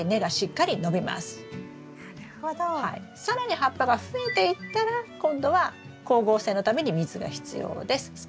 更に葉っぱが増えていったら今度は光合成のために水が必要です。